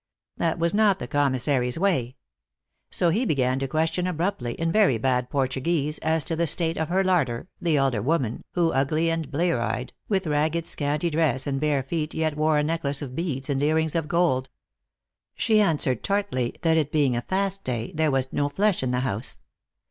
That was not the commissary s way. So he began to question abruptly, in very bad Portuguese, as to the state of her larder, the elder woman, who, ugly and blear eyed, with ragged, scanty dress, and bare feet, yet wore a necklace of beads and earrings of gold. She answered tartly, that it being a fast day, there was no flesh in the house.